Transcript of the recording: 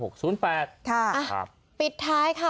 ๕๖๐๘ค่ะค่ะปิดท้ายค่ะ